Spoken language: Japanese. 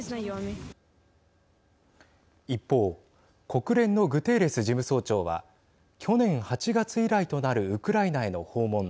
一方国連のグテーレス事務総長は去年８月以来となるウクライナへの訪問